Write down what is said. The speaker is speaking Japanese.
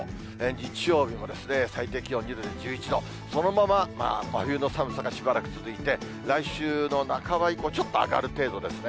日曜日も最低気温２度で１１度、そのまま真冬の寒さがしばらく続いて、来週の半ば以降、ちょっと上がる程度ですね。